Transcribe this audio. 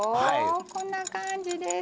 こんな感じです。